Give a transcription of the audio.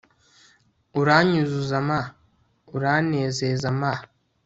uranyuzuza ma! uranezeza ma